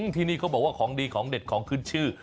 ที่นี่เขาบอกว่าของดีของเด็ดของขึ้นชื่อ